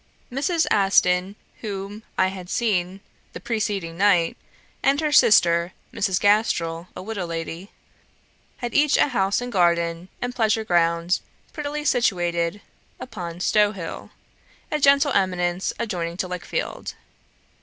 Mrs. Aston, whom I had seen the preceding night, and her sister, Mrs. Gastrel, a widow lady, had each a house and garden, and pleasure ground, prettily situated upon Stowhill, a gentle eminence, adjoining to Lichfield.